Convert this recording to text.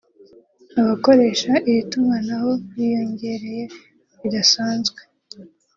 abakoresha iri tumanaho biyongereye bidasanzwe